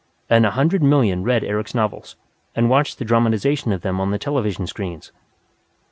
And a hundred million read Eric's novels, and watched the dramatization of them on the television screens.